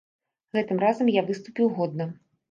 Гэтым разам я выступіў годна.